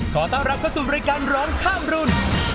ขอต้อนรับเข้าสู่รายการร้องข้ามรุ่น